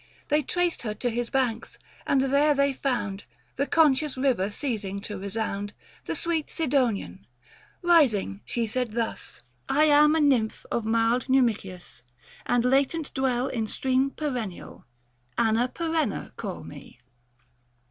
They traced her to his banks, and there they found (The conscious river ceasing to resound) The sweet Sidonian ; rising she said thus 700 "lama Nymph of mild Xumicius ; And latent dwell in stream perennial, Anna Perenna, call me."